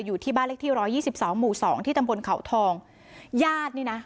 อยู่ที่บ้านเล็กที่ร้อยยี่สิบสองหมู่สองที่ตำบลเขาทองญาตินี่นะ